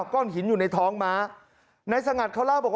เห้าก้อนหินอยู่ในท้องหมาในสังหัตรเขาเล่าบอกว่า